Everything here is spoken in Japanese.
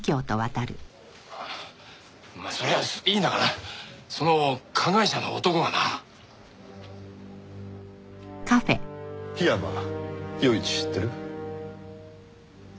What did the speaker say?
まあそりゃいいんだがなその加害者の男がな。檜山与一知ってる？